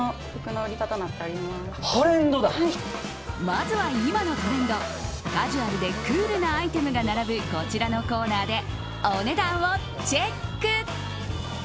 まずは今のトレンドカジュアルでクールなアイテムが並ぶこちらのコーナーでお値段をチェック。